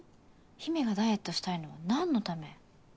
陽芽がダイエットしたいのは何のため？